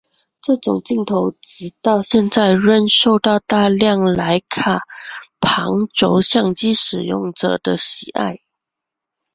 这种镜头直到现在仍受到大量莱卡旁轴相机使用者的喜爱。